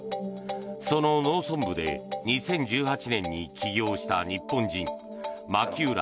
その農村部で２０１８年に起業した日本人牧浦